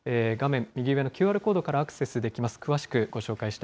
画面右上のＱＲコードからアクセスできます。